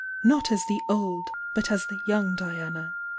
— not as the old but as the young Diana!